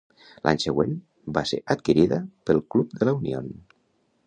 L'any següent, va ser adquirida pel Club de la Unión.